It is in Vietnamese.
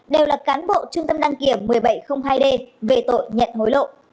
đều là cán bộ trung tâm đăng kiểm một nghìn bảy trăm linh hai d về tội nhận hối lộ